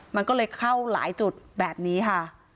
มันก็เลยเข้าหลายจุดแบบนี้ค่ะ